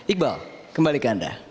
iqbal kembalikan anda